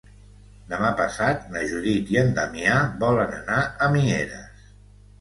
Demà passat na Judit i en Damià volen anar a Mieres.